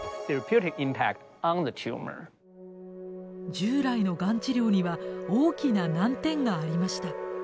従来のがん治療には大きな難点がありました。